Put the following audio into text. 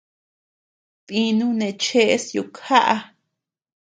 Dinuu neé cheʼes yukjaʼa.